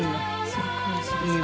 すごくおいしいです。